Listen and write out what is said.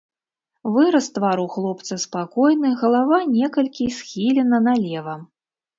Выраз твару хлопца спакойны, галава некалькі схілена налева.